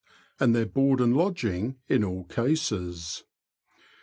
and their board and lodging in all cases.